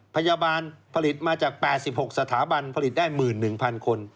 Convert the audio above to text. พยาบาลผลิตมาจาก๘๖สถาบันผลิตได้๑๑๐๐คน